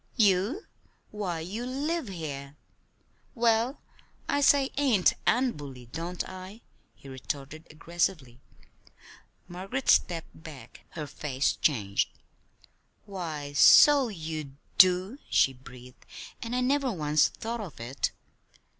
"You? Why, you live here!" "Well, I say 'ain't' an' 'bully'; don't I?" he retorted aggressively. Margaret stepped back. Her face changed. "Why so you do!" she breathed. "And I never once thought of it."